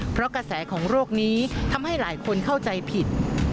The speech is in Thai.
เพราะกระแสของโรคนี้ทำให้หลายคนเข้าใจผิด